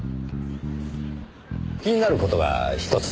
気になる事が１つ。